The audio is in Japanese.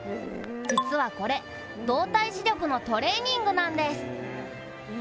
実はこれ、動体視力のトレーニングなんです。